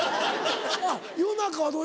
あっ夜中はどう？